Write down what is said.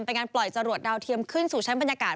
เป็นการปล่อยจรวดดาวเทียมขึ้นสู่ชั้นบรรยากาศ